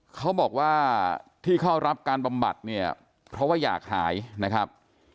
เขาบอกว่าที่เข้ารับการบำบัดเนี่ยเพราะว่าอยากหายนะครับ